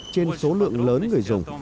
trên số lượng lớn người dùng